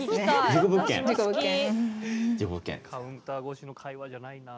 カウンター越しの会話じゃないなあ。